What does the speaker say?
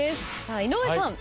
井上さん。